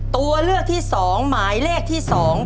ตัวเลือกที่สองหมายเลขที่สอง